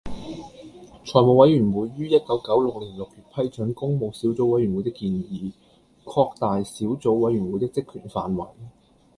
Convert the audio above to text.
財務委員會於一九九六年六月批准工務小組委員會的建議，擴大小組委員會的職權範圍